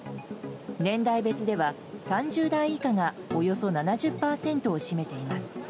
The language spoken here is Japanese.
年代別では、３０代以下がおよそ７０％を占めています。